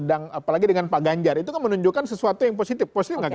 apalagi dengan pak ganjar itu kan menunjukkan sesuatu yang positif